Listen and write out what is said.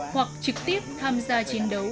hoặc trực tiếp tham gia chiến đấu